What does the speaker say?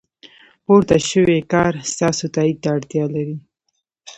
پورته شوی کار ستاسو تایید ته اړتیا لري.